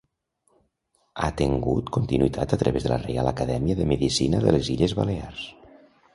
Ha tengut continuïtat a través de la Reial Acadèmia de Medicina de les Illes Balears.